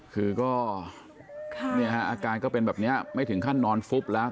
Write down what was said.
คือก็อาการก็เป็นแบบนี้ไม่ถึงขั้นนอนฟุบแล้ว